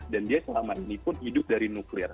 dan dia selama ini pun hidup dari nuklir